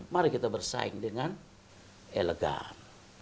mari kita bersaing dengan elegan